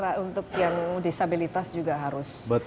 orang orang yang disabilitas juga harus